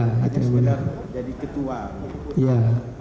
hanya sekedar jadi ketua